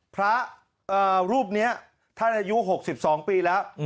พระรูปนี้ท่านอายุ๖๒ปีแล้ว